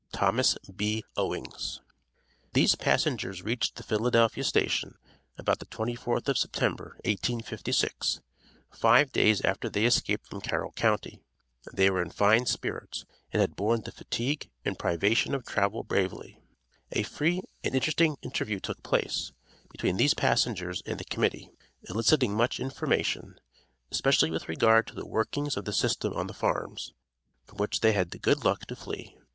THOMAS B. OWINGS. s24 6tWit*|| These passengers reached the Philadelphia station, about the 24th of September, 1856, five days after they escaped from Carroll county. They were in fine spirits, and had borne the fatigue and privation of travel bravely. A free and interesting interview took place, between these passengers and the Committee, eliciting much information, especially with regard to the workings of the system on the farms, from which they had the good luck to flee.